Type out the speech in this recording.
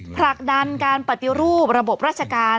ผลักดันการปฏิรูประบบราชการ